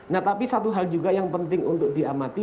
nah tapi satu hal juga yang penting untuk diamati